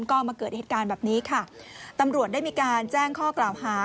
ก็มาเกิดเหตุการณ์แบบนี้ค่ะตำรวจได้มีการแจ้งข้อกล่าวหา